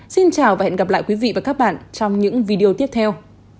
xin chào và hẹn gặp lại quý vị và các bạn trong những video tiếp theo